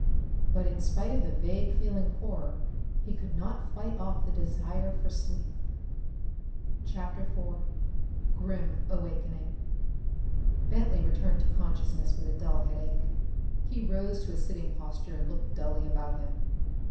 But in spite of the vague feeling of horror he could not fight off the desire for sleep. CHAPTER IV Grim Awakening Bentley returned to consciousness with a dull headache. He rose to a sitting posture and looked dully about him.